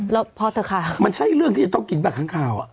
พอเถอะค่ะมันใช่เรื่องที่จะต้องกินแบบค้างข่าวอ่ะ